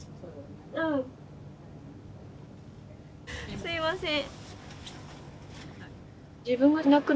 すいません。